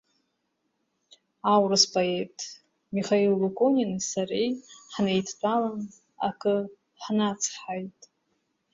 Аурыс поет Михаил Луконини сареи ҳнеидтәалан акы ҳнацҳаит.